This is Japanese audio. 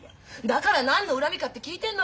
だから何の恨みかって聞いてんのよ！